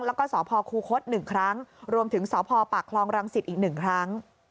แล้วก็สพคูคศ๑ครั้งรวมถึงสพปากคลองรังสิตอีก๑ครั้ง